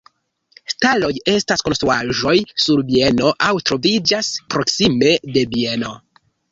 Staloj estas konstruaĵoj sur bieno aŭ troviĝas proksime de bieno.